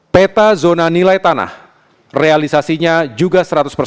peta zona nilai tanah realisasinya juga seratus persen